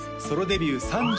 ソロデビュー